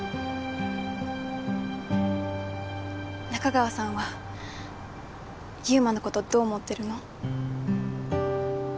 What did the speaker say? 仲川さんは祐馬のことどう思ってるの？